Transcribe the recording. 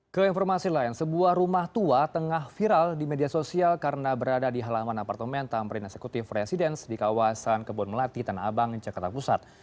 keinformasi lain sebuah rumah tua tengah viral di media sosial karena berada di halaman apartemen tamrin executive residence di kawasan kebun melati tanah abang jakarta pusat